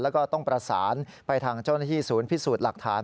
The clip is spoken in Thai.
แล้วก็ต้องประสานไปทางเจ้าหน้าที่ศูนย์พิสูจน์หลักฐาน